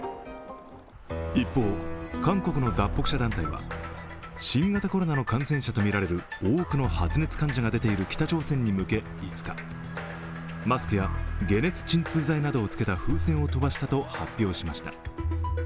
一方、韓国の脱北者団体は新型コロナの感染者とみられる多くの発熱患者が出ている北朝鮮に向け５日、マスクや解熱鎮痛剤などをつけた風船を飛ばしたと発表しました。